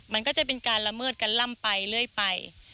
มันก็จะเป็นการละเมิดกันล่ำไปเรื่อยไป